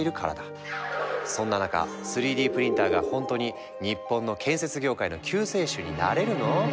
そんな中３Ｄプリンターがほんとに日本の建設業界の救世主になれるの？